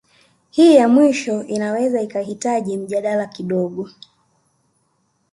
Hii ya mwisho inaweza ikahitaji mjadala kidogo